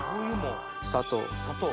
砂糖。